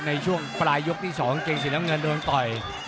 ในช่วงปลายยกที่๒เกงสีน้ำเงินโดนต่อย